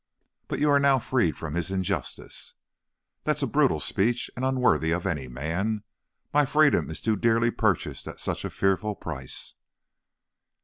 "But you are now freed from his injustice." "That is a brutal speech and unworthy of any man! My freedom is too dearly purchased at such a fearful price!"